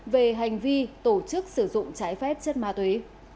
về hành vi tổ chức sử dụng trái phép chất ma túy